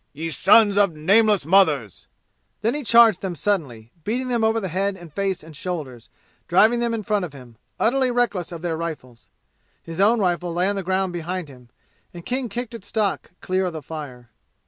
"Ye sons of nameless mothers!" Then he charged them suddenly, beating them over head and face and shoulders, driving them in front of him, utterly reckless of their rifles. His own rifle lay on the ground behind him, and King kicked its stock clear of the fire.